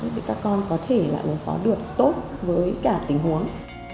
thì các con có thể là ủng hộ được tốt với cả tình huống